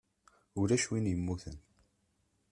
Ulac win yemmuten.